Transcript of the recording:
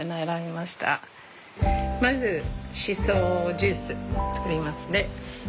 まずシソジュース作りますね。